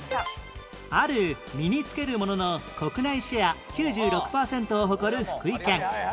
ある身につけるものの国内シェア９６パーセントを誇る福井県